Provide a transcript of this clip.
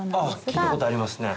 聞いたことありますね。